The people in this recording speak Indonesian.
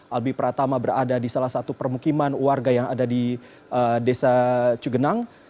albi pratama berada di salah satu permukiman warga yang ada di desa cugenang